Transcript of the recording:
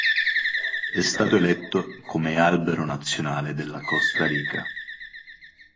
È stato eletto come albero nazionale della Costa Rica.